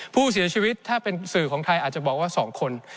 ผู้เสียชีวิตถ้าเป็นสื่อของไทยอาจจะบอกว่า๒คน